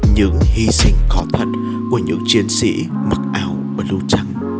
những hy sinh khó thật của những chiến sĩ mặc áo và lưu trắng